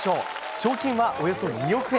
賞金はおよそ２億円。